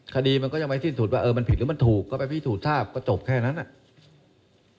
คดีมันก็ยังไม่สิ้นสุดว่าเออมันผิดหรือมันถูกก็ไปพิสูจน์ทราบก็จบแค่นั้นอ่ะ